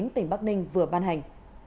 tỉnh bắc ninh vừa ban hành